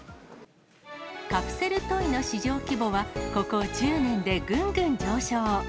カプセルトイの市場規模は、ここ１０年でぐんぐん上昇。